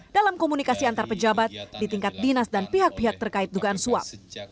dalam komunikasi antar pejabat di tingkat dinas dan pihak pihak terkait dugaan suap